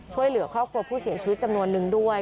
ช่วยเหลือครอบครัวผู้เสียชีวิตจำนวนนึงด้วย